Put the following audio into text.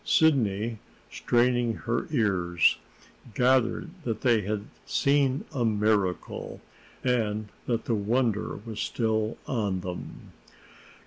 Sidney, straining her ears, gathered that they had seen a miracle, and that the wonder was still on them.